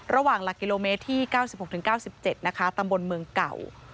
ระหว่างหลักกิโลเมตรที่เก้าสิบหกถึงเก้าสิบเจ็ดนะคะตำบนเมืองเก่า